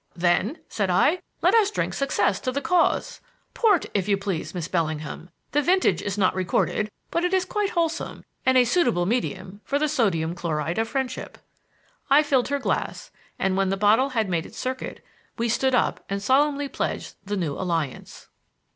"Then," said I, "let us drink success to the cause. Port, if you please, Miss Bellingham; the vintage is not recorded, but it is quite wholesome, and a suitable medium for the sodium chloride of friendship." I filled her glass, and when the bottle had made its circuit, we stood up and solemnly pledged the new alliance.